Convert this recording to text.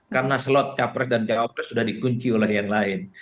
karena slot capres dan cawapres sudah dikunci oleh yang lain